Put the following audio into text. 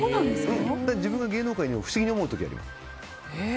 自分が芸能界にいるの不思議に思う時あります。